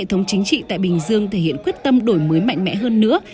hệ thống chính trị tại bình dương thể hiện quyết tâm đổi mới mạnh mẽ hơn nữa